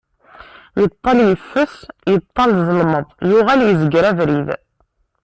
Yeṭall yeffes, yeṭall zelmeḍ, yuɣal izger abrid.